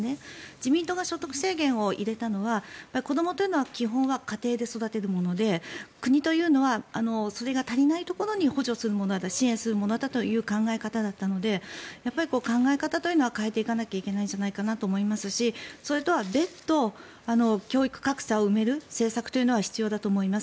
自民党が所得制限を入れたのは子どもというのは基本は家庭で育てるもので国というのはそれが足りないところに補助するもの支援するものだという考え方だったので考え方というのは変えていかないといけないと思いますしそれとは別途、教育格差を埋める政策というのは必要だと思います。